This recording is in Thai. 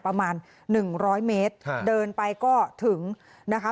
ประมาณ๑๐๐เมตรเดินไปก็ถึงนะคะ